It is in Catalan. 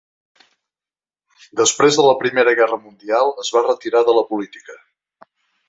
Després de la Primera Guerra Mundial, es va retirar de la política.